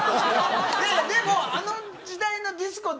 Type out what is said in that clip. でも、あの時代のディスコは